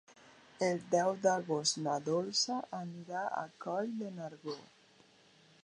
El deu d'agost na Dolça anirà a Coll de Nargó.